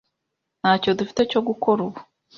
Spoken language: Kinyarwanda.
Ntacyo dufite cyo gukora ubu.